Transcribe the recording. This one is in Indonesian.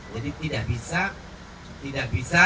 jadi tidak bisa